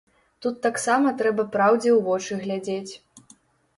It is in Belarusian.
Тут таксама трэба праўдзе ў вочы глядзець.